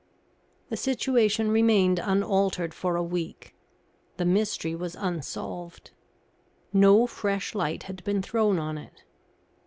The situation remained unaltered for a week. The mystery was unsolved. No fresh light had been thrown on it.